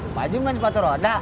apa aja bukan sepatu roda